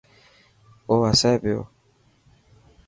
او هسي پيو.